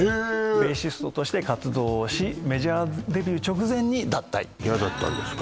ベーシストとして活動をしメジャーデビュー直前に脱退嫌だったんですか？